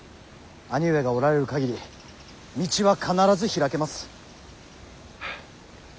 兄上がおられる限り道は必ず開けます。